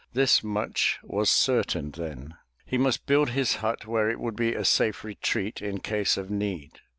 This much was certain then, — ^he must build his hut where it would be a safe retreat in case of need.